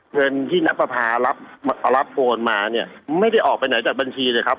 เงินที่นับประพารับโอนมาเนี่ยไม่ได้ออกไปไหนจากบัญชีเลยครับ